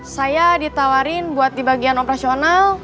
saya ditawarin buat di bagian operasional